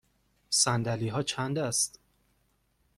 صندلی ها چند است؟